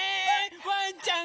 ワンちゃん